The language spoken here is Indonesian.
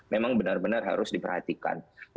memang benar benar harus diperhatikan